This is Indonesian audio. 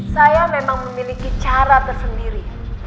saya memang memiliki cara tersendiri